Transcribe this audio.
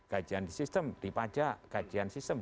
kajian di sistem di pajak kajian sistem